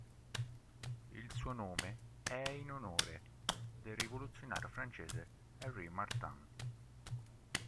Il suo nome è in onore del rivoluzionario francese Henri Martin.